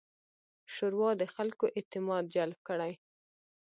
شورا د خلکو اعتماد جلب کړي.